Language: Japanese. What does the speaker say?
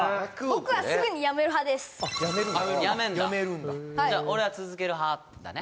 僕はすぐに辞める派ですあっ辞めんだじゃあ俺は続ける派だね